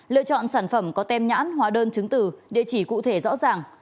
lựa chọn sản phẩm có tem nhãn hóa đơn chứng từ địa chỉ cụ thể rõ ràng